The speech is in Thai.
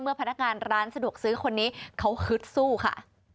พนักงานร้านสะดวกซื้อคนนี้เขาฮึดสู้ค่ะ